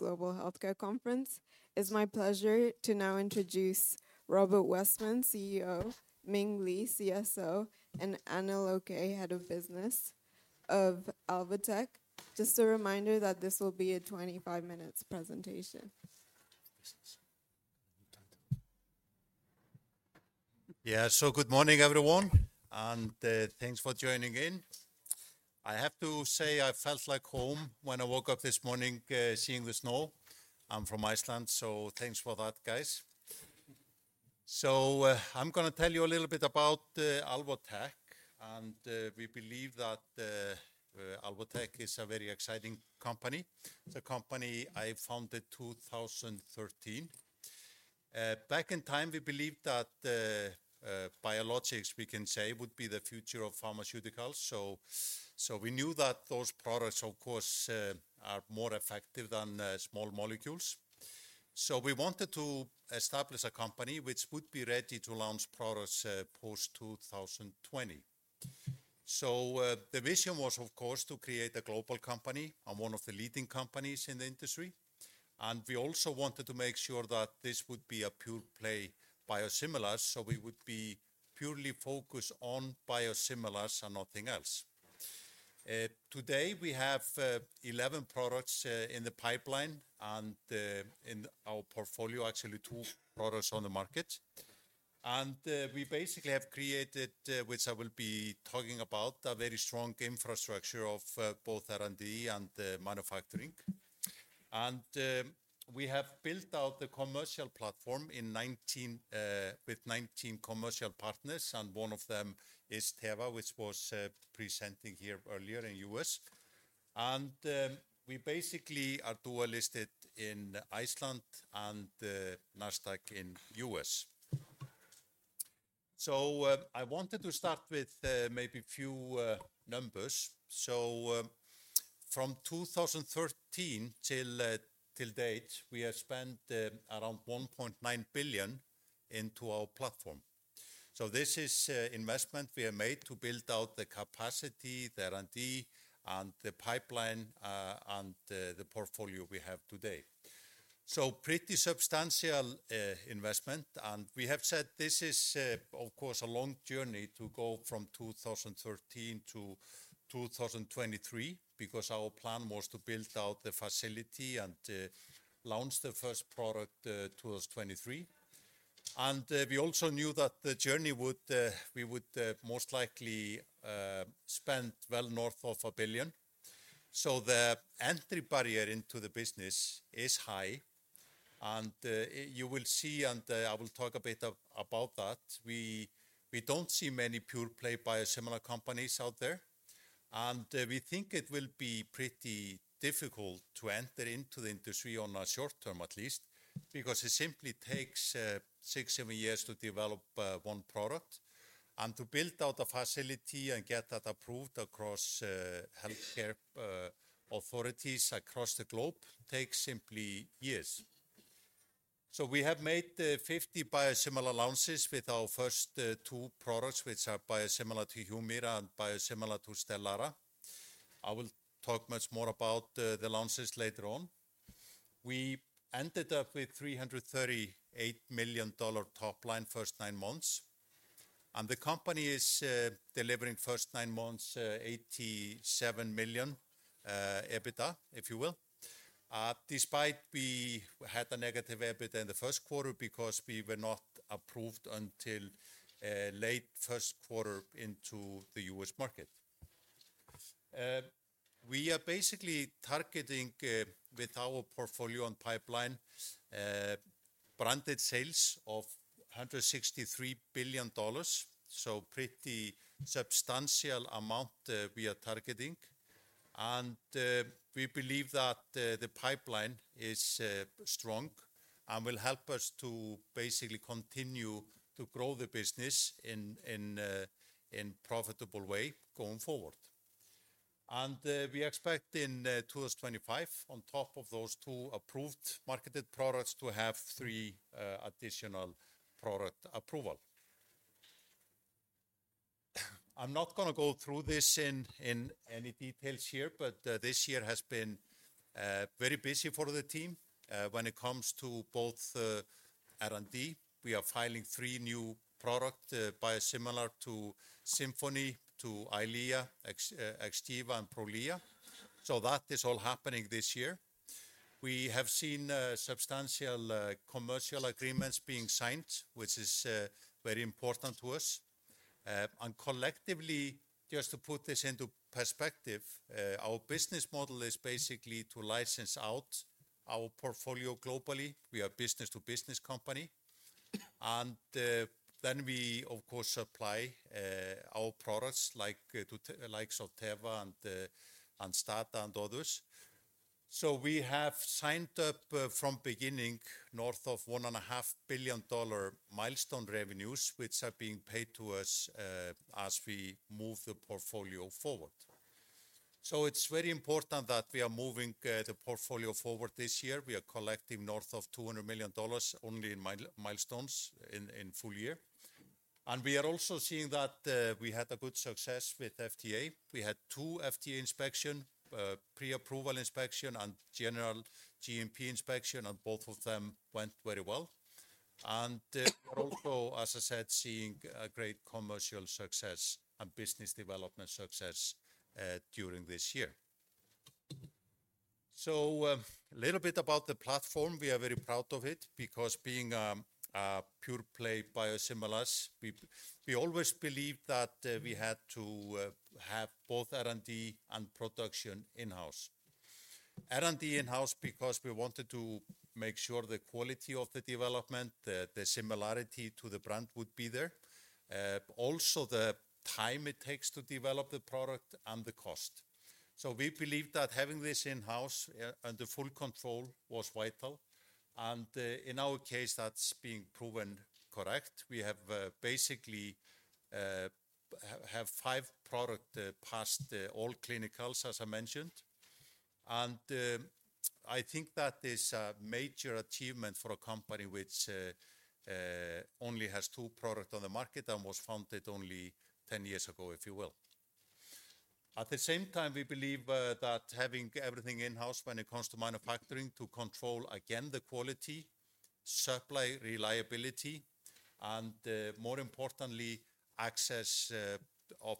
Global Healthcare Conference. It's my pleasure to now introduce Róbert Wessman Yeah, so good morning, everyone, and thanks for joining in. I have to say, I felt like home when I woke up this morning seeing the snow. I'm from Iceland, so thanks for that, guys. I'm going to tell you a little bit about Alvotech, and we believe that Alvotech is a very exciting company. It's a company I founded in 2013. Back in time, we believed that biologics, we can say, would be the future of pharmaceuticals. We knew that those products, of course, are more effective than small molecules. We wanted to establish a company which would be ready to launch products post-2020. The vision was, of course, to create a global company and one of the leading companies in the industry. We also wanted to make sure that this would be a pure-play biosimilar, so we would be purely focused on biosimilars and nothing else. Today, we have 11 products in the pipeline and in our portfolio, actually two products on the market. We basically have created, which I will be talking about, a very strong infrastructure of both R&D and manufacturing. We have built out the commercial platform with 19 commercial partners, and one of them is Teva, which was presenting here earlier in the U.S. We basically are dual-listed in Iceland and Nasdaq in the U.S. I wanted to start with maybe a few numbers. From 2013 till date, we have spent around $1.9 billion into our platform. This is investment we have made to build out the capacity, the R&D, and the pipeline and the portfolio we have today. So pretty substantial investment. And we have said this is, of course, a long journey to go from 2013 to 2023 because our plan was to build out the facility and launch the first product in 2023. And we also knew that the journey would most likely spend well north of $1 billion. So the entry barrier into the business is high. And you will see, and I will talk a bit about that, we don't see many pure-play biosimilar companies out there. And we think it will be pretty difficult to enter into the industry on a short term, at least, because it simply takes six, seven years to develop one product. And to build out a facility and get that approved across healthcare authorities across the globe takes simply years. So we have made 50 biosimilar launches with our first two products, which are biosimilar to Humira and biosimilar to Stelara. I will talk much more about the launches later on. We ended up with $338 million top line first nine months. And the company is delivering first nine months $87 million EBITDA, if you will, despite we had a negative EBITDA in the Q1 because we were not approved until late Q1 into the U.S. market. We are basically targeting with our portfolio and pipeline branded sales of $163 billion, so a pretty substantial amount we are targeting. And we believe that the pipeline is strong and will help us to basically continue to grow the business in a profitable way going forward. And we expect in 2025, on top of those two approved marketed products, to have three additional product approvals. I'm not going to go through this in any detail here, but this year has been very busy for the team when it comes to both R&D. We are filing three new product biosimilars to Simponi, to Eylea, Xgeva, and Prolia. So that is all happening this year. We have seen substantial commercial agreements being signed, which is very important to us. And collectively, just to put this into perspective, our business model is basically to license out our portfolio globally. We are a business-to-business company. And then we, of course, supply our products like Teva and STADA and others. So we have signed up from beginning north of $1.5 billion milestone revenues, which are being paid to us as we move the portfolio forward. So it's very important that we are moving the portfolio forward this year. We are collecting north of $200 million only in milestones in full year, and we are also seeing that we had a good success with FDA. We had two FDA inspections, pre-approval inspection, and general GMP inspection, and both of them went very well, and we are also, as I said, seeing great commercial success and business development success during this year, so a little bit about the platform. We are very proud of it because being pure-play biosimilars, we always believed that we had to have both R&D and production in-house. R&D in-house because we wanted to make sure the quality of the development, the similarity to the brand would be there, also the time it takes to develop the product and the cost, so we believed that having this in-house and the full control was vital, and in our case, that's being proven correct. We have basically five products past all clinicals, as I mentioned, and I think that is a major achievement for a company which only has two products on the market and was founded only 10 years ago, if you will. At the same time, we believe that having everything in-house when it comes to manufacturing to control, again, the quality, supply reliability, and more importantly, access of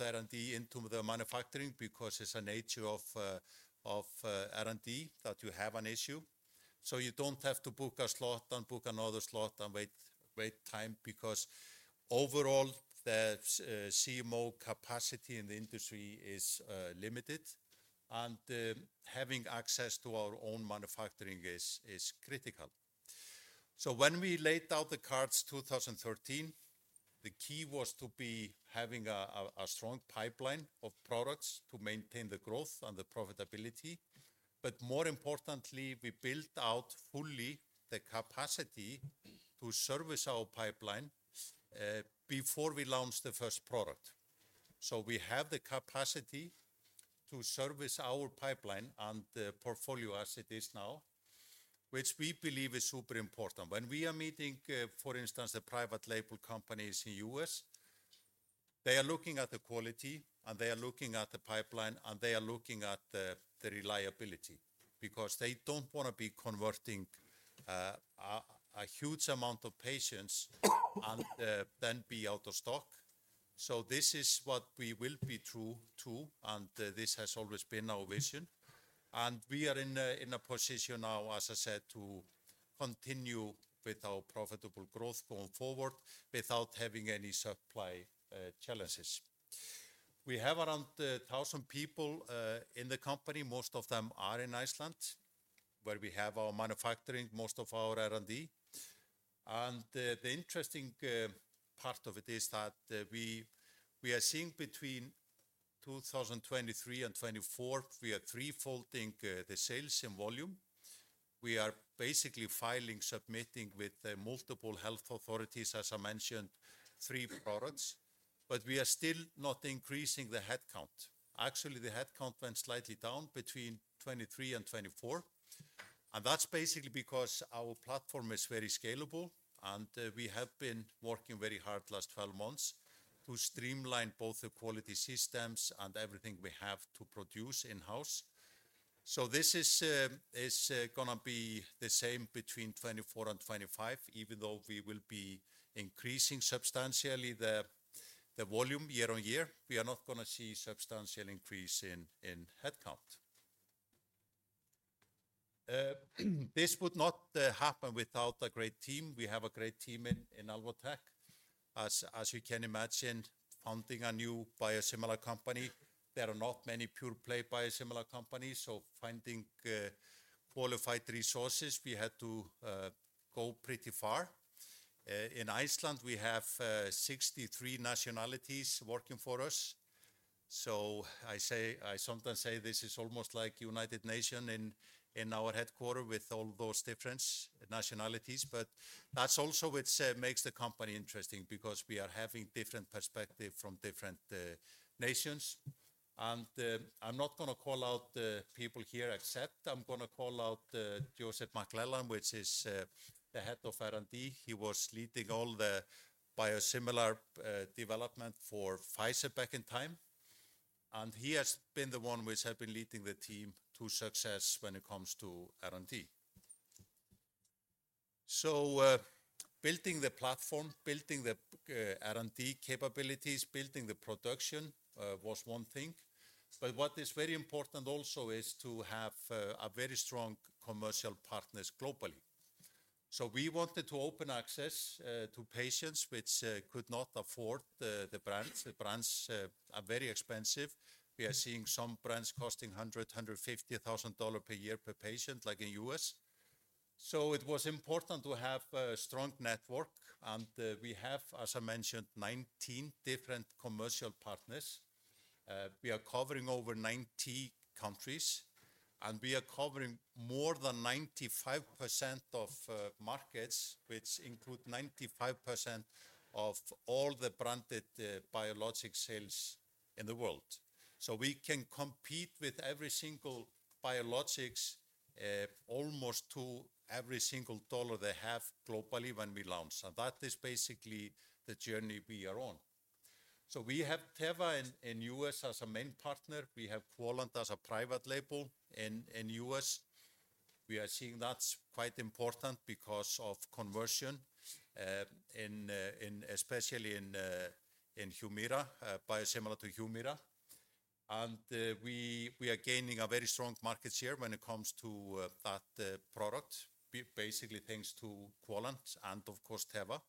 R&D into the manufacturing because it's a nature of R&D that you have an issue, so you don't have to book a slot and book another slot and wait time because overall the CMO capacity in the industry is limited, and having access to our own manufacturing is critical, so when we laid out the cards in 2013, the key was to be having a strong pipeline of products to maintain the growth and the profitability. But more importantly, we built out fully the capacity to service our pipeline before we launched the first product. So we have the capacity to service our pipeline and the portfolio as it is now, which we believe is super important. When we are meeting, for instance, the private label companies in the U.S., they are looking at the quality and they are looking at the pipeline and they are looking at the reliability because they don't want to be converting a huge amount of patients and then be out of stock. So this is what we will be true to, and this has always been our vision. And we are in a position now, as I said, to continue with our profitable growth going forward without having any supply challenges. We have around 1,000 people in the company. Most of them are in Iceland, where we have our manufacturing, most of our R&D, and the interesting part of it is that we are seeing between 2023 and 2024, we are threefolding the sales in volume. We are basically filing, submitting with multiple health authorities, as I mentioned, three products, but we are still not increasing the headcount. Actually, the headcount went slightly down between 2023 and 2024, and that's basically because our platform is very scalable, and we have been working very hard the last 12 months to streamline both the quality systems and everything we have to produce in-house, so this is going to be the same between 2024 and 2025, even though we will be increasing substantially the volume year on year. We are not going to see a substantial increase in headcount. This would not happen without a great team. We have a great team in Alvotech. As you can imagine, founding a new biosimilar company, there are not many pure-play biosimilar companies, so finding qualified resources, we had to go pretty far. In Iceland, we have 63 nationalities working for us. So I sometimes say this is almost like a United Nations in our headquarters with all those different nationalities, but that's also what makes the company interesting because we are having different perspectives from different nations. And I'm not going to call out the people here, except I'm going to call out Joseph McClellan, which is the Head of R&D. He was leading all the biosimilar development for Pfizer back in time. And he has been the one which has been leading the team to success when it comes to R&D. So building the platform, building the R&D capabilities, building the production was one thing. But what is very important also is to have very strong commercial partners globally. So we wanted to open access to patients which could not afford the brands. The brands are very expensive. We are seeing some brands costing $100,000, $150,000 per year per patient, like in the U.S. So it was important to have a strong network. And we have, as I mentioned, 19 different commercial partners. We are covering over 90 countries, and we are covering more than 95% of markets, which include 95% of all the branded biologic sales in the world. So we can compete with every single biologic almost to every single dollar they have globally when we launch. And that is basically the journey we are on. So we have Teva in the U.S. as a main partner. We have Quallent as a private label in the U.S. We are seeing that's quite important because of conversion, especially in Humira, biosimilar to Humira. And we are gaining a very strong market share when it comes to that product, basically thanks to Quallent and, of course, Teva.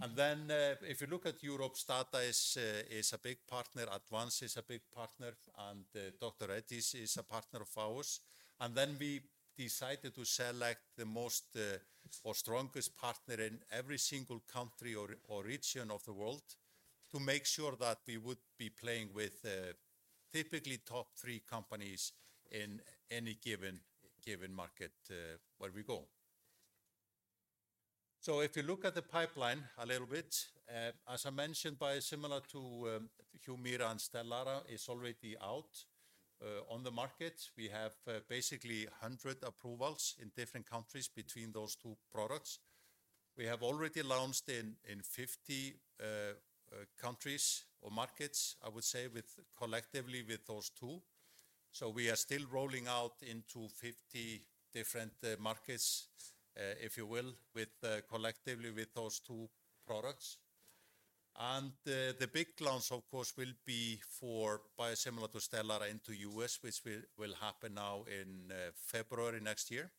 And then if you look at Europe, STADA is a big partner. Advanz is a big partner, and Dr. Reddy's is a partner of ours. And then we decided to select the most or strongest partner in every single country or region of the world to make sure that we would be playing with typically top three companies in any given market where we go. So if you look at the pipeline a little bit, as I mentioned, biosimilar to Humira and Stelara is already out on the market. We have basically 100 approvals in different countries between those two products. We have already launched in 50 countries or markets, I would say, collectively with those two. We are still rolling out into 50 different markets, if you will, collectively with those two products. The big launch, of course, will be for biosimilar to Stelara into the U.S., which will happen now in February next year.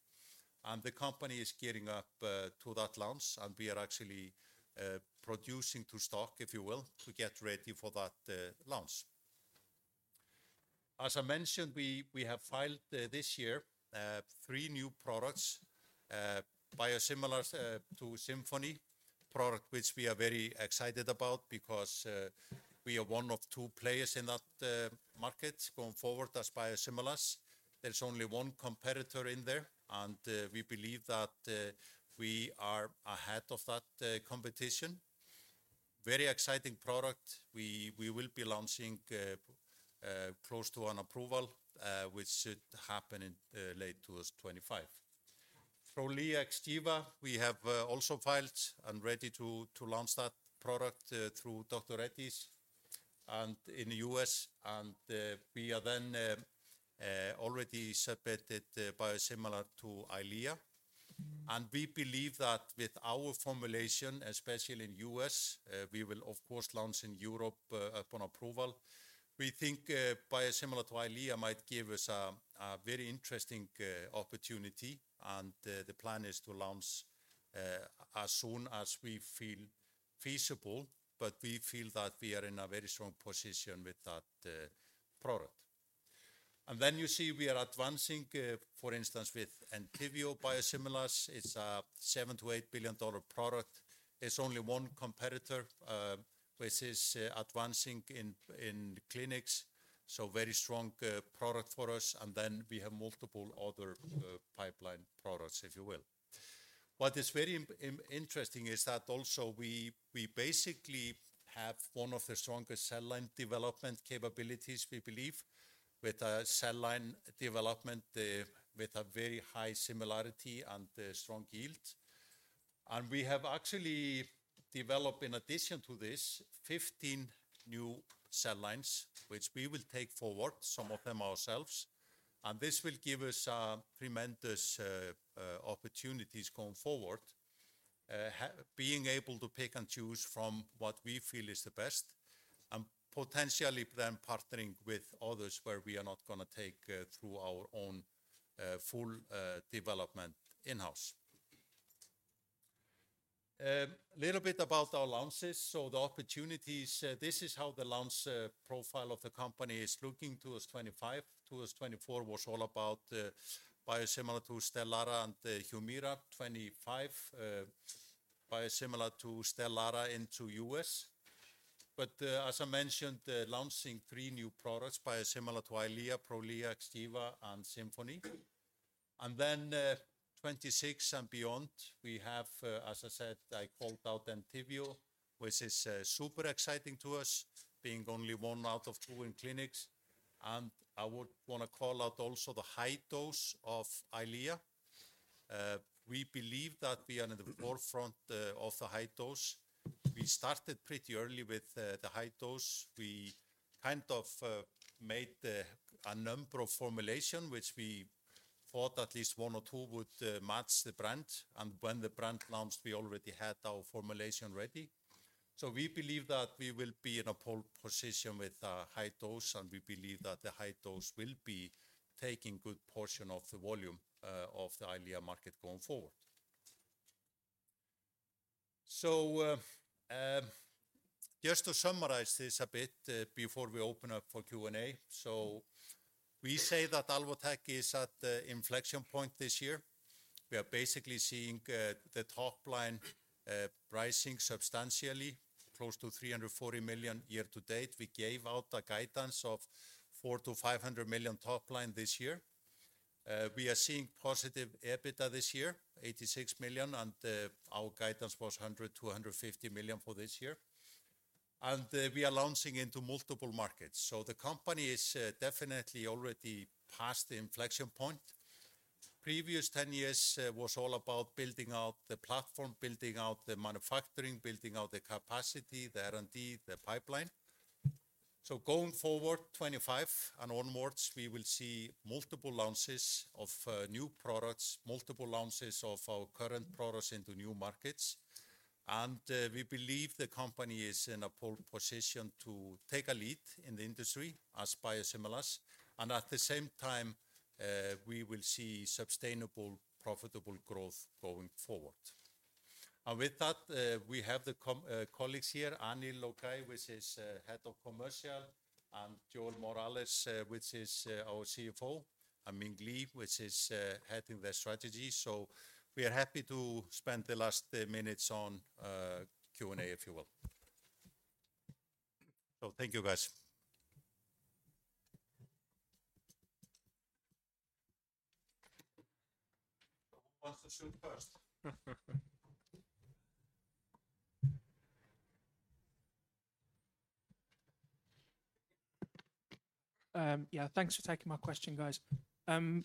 The company is gearing up to that launch, and we are actually producing to stock, if you will, to get ready for that launch. As I mentioned, we have filed this year three new products, biosimilars to Simponi, a product which we are very excited about because we are one of two players in that market going forward as biosimilars. There's only one competitor in there, and we believe that we are ahead of that competition. Very exciting product. We will be launching close to an approval, which should happen in late 2025. Prolia, Xgeva, we have also filed and ready to launch that product through Dr. Reddy's in the U.S. We are then already submitted biosimilar to Eylea. We believe that with our formulation, especially in the U.S., we will, of course, launch in Europe upon approval. We think biosimilar to Eylea might give us a very interesting opportunity, and the plan is to launch as soon as we feel feasible. We feel that we are in a very strong position with that product. You see we are advancing, for instance, with Entyvio biosimilars. It's a $7 billion-$8 billion product. It's only one competitor which is advancing in clinics. Very strong product for us. We have multiple other pipeline products, if you will. What is very interesting is that also we basically have one of the strongest cell line development capabilities, we believe, with a cell line development with a very high similarity and strong yield. And we have actually developed, in addition to this, 15 new cell lines, which we will take forward, some of them ourselves. And this will give us tremendous opportunities going forward, being able to pick and choose from what we feel is the best and potentially then partnering with others where we are not going to take through our own full development in-house. A little bit about our launches. So the opportunities, this is how the launch profile of the company is looking in 2025. 2024 was all about biosimilar to Stelara and Humira, 2025 biosimilar to Stelara into the U.S. But as I mentioned, launching three new products, biosimilar to Eylea, Prolia, Xgeva, and Simponi. And then, 2026 and beyond, we have, as I said, I called out Entyvio, which is super exciting to us, being only one out of two in clinics. And I would want to call out also the high dose of Eylea. We believe that we are in the forefront of the high dose. We started pretty early with the high dose. We kind of made a number of formulations which we thought at least one or two would match the brand. And when the brand launched, we already had our formulation ready. So we believe that we will be in a pole position with a high dose, and we believe that the high dose will be taking a good portion of the volume of the Eylea market going forward. Just to summarize this a bit before we open up for Q&A, we say that Alvotech is at the inflection point this year. We are basically seeing the top line rising substantially, close to $340 million year to date. We gave out a guidance of $400-$500 million top line this year. We are seeing positive EBITDA this year, $86 million, and our guidance was $100-$150 million for this year. We are launching into multiple markets. The company is definitely already past the inflection point. Previous 10 years was all about building out the platform, building out the manufacturing, building out the capacity, the R&D, the pipeline. Going forward, 2025 and onwards, we will see multiple launches of new products, multiple launches of our current products into new markets. And we believe the company is in a pole position to take a lead in the industry as biosimilars. And at the same time, we will see sustainable, profitable growth going forward. And with that, we have the colleagues here, Anil Okay, which is head of commercial, and Joel Morales, which is our CFO, and Ming Li, which is heading the strategy. So we are happy to spend the last minutes on Q&A, if you will. So thank you, guys. Who wants to shoot first? Yeah, thanks for taking my question, guys.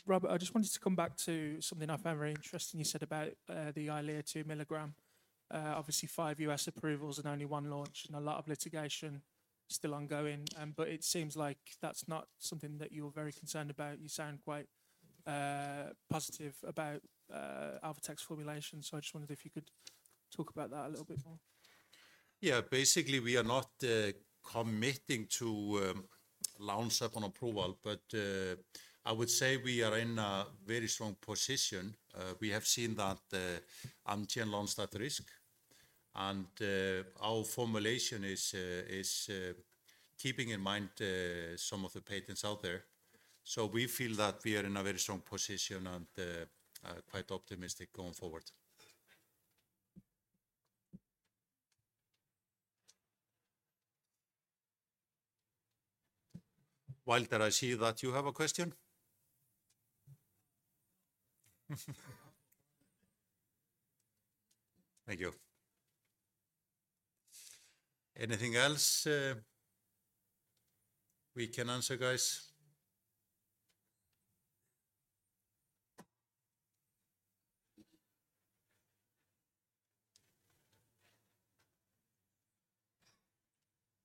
Róbert, I just wanted to come back to something I found very interesting you said about the Eylea two milligram. Obviously, five U.S. approvals and only one launch and a lot of litigation still ongoing. But it seems like that's not something that you're very concerned about. You sound quite positive about Alvotech's formulation. So I just wondered if you could talk about that a little bit more. Yeah, basically, we are not committing to launch upon approval, but I would say we are in a very strong position. We have seen that Entyvio launch at risk. And our formulation is keeping in mind some of the patents out there. So we feel that we are in a very strong position and quite optimistic going forward. Walter, I see that you have a question. Thank you. Anything else we can answer, guys?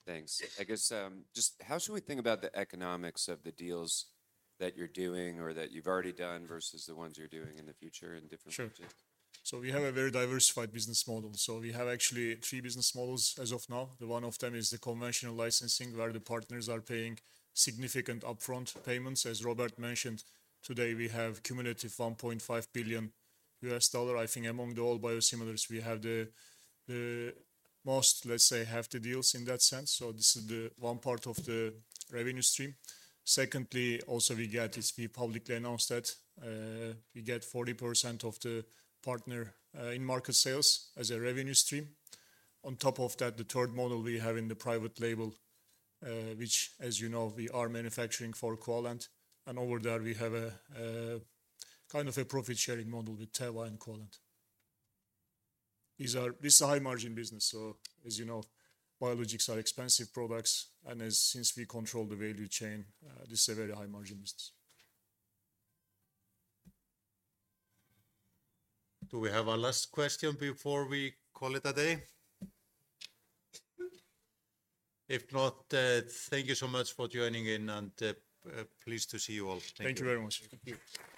Thanks. I guess just how should we think about the economics of the deals that you're doing or that you've already done versus the ones you're doing in the future in different projects? Sure. So we have a very diversified business model. So we have actually three business models as of now. One of them is the conventional licensing, where the partners are paying significant upfront payments. As Róbert mentioned, today we have cumulative $1.5 billion. I think among the all biosimilars, we have the most, let's say, hefty deals in that sense. So this is one part of the revenue stream. Secondly, also we get, as we publicly announced that, we get 40% of the partner in market sales as a revenue stream. On top of that, the third model we have in the private label, which, as you know, we are manufacturing for Quallent. And over there, we have a kind of a profit-sharing model with Teva and Quallent. This is a high-margin business. So, as you know, biologics are expensive products. And since we control the value chain, this is a very high-margin business. Do we have a last question before we call it a day? If not, thank you so much for joining in, and pleased to see you all. Thank you very much. Thank you.